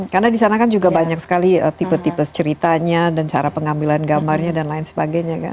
karena disana kan juga banyak sekali tipe tipe ceritanya dan cara pengambilan gambarnya dan lain sebagainya kan